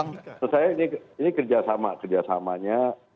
ini kerjasama kerjasamanya belum